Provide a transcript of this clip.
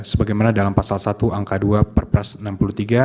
sebagaimana dalam pasal satu angka dua perpres enam puluh tiga